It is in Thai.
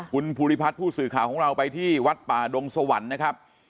คุณภูริพัฒน์ผู้สื่อข่าวของเราไปที่วัดป่าดงสวรรค์นะครับ